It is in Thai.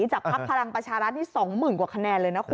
จากพรรคพลังประชารัฐที่๒๐๐๐๐กว่าคะแนนเลยนะครับ